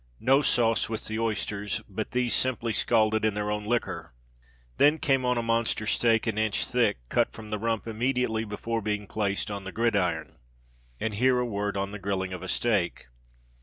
No sauce with the oysters, but these simply scalded in their own liquor. Then came on a monster steak, an inch thick, cut from the rump immediately before being placed on the gridiron. And here a word on the grilling of a steak.